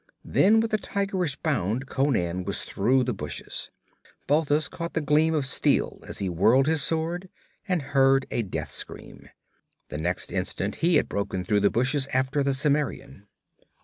Then with a tigerish bound Conan was through the bushes. Balthus caught the gleam of steel as he whirled his sword, and heard a death scream. The next instant he had broken through the bushes after the Cimmerian.